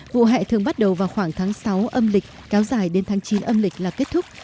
vụ hè thường bắt đầu vào khoảng tháng sáu âm lịch kéo dài đến tháng chín âm lịch là kết thúc